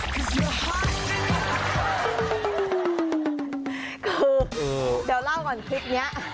คือเดี๋ยวเล่าก่อนคลิปนี้